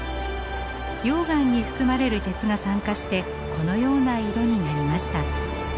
溶岩に含まれる鉄が酸化してこのような色になりました。